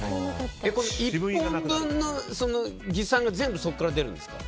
１本分のギ酸が全部そこから出るんですか？